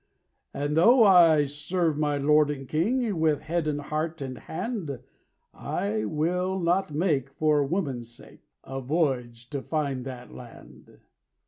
"And though I serve my Lord and King With head, and heart, and hand, I will not make, for woman's sake, A voyage to find that land!"